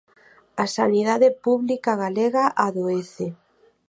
A sanidade pública galega adoece.